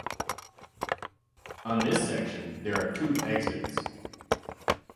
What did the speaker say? On this section there are two exits.